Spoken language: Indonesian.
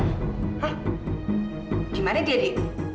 hah di mana dia di